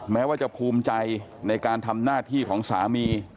แม้ว่าจะภูมิใจในการทำหน้าที่ของสามี